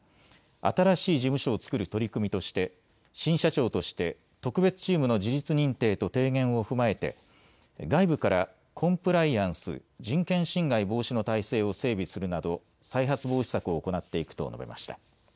新しい事務所を作る取り組みとして、新社長として、特別チームの事実認定と提言を踏まえて、外部からコンプライアンス人権侵害防止の体制を整備するなど、再発防止策を行っていくと述べました。